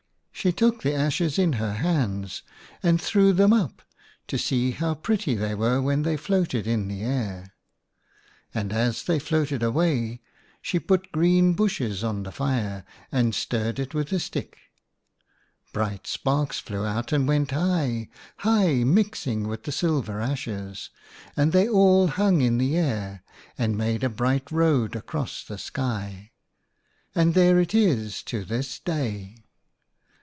She took the ashes in her hands and threw them up to see how pretty they were when they floated in the air. And as they floated away she put green bushes on the fire and stirred it with a The Stars' Road Face page 64 THE STARS 65 stick. Bright sparks flew out and went high, high, mixing with the silver ashes, and they all hung in the air and made a bright road across the sky. And there it is to this day.